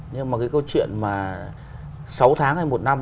nhưng mà cái câu chuyện mà sáu tháng hay một năm